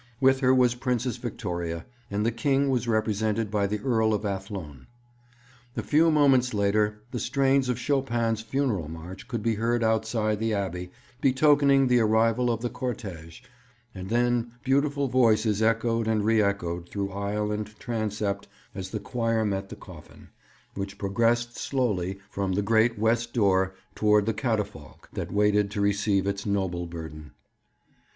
With her was Princess Victoria; and the King was represented by the Earl of Athlone. A few moments later the strains of Chopin's funeral march could be heard outside the Abbey, betokening the arrival of the cortège; and then beautiful voices echoed and re echoed through aisle and transept as the choir met the coffin, which progressed slowly from the great west door towards the catafalque that waited to receive its noble burden.